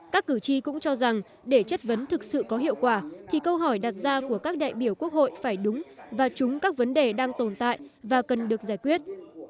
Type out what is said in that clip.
các cử tri cũng cho rằng để chất vấn thực sự có hiệu quả thì câu hỏi đặt ra của các đại biểu quốc hội phải đúng và chúng các vấn đề đang tồn tại và cần được giải quyết